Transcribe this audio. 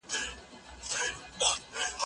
دا کار له هغه ګټور دي!.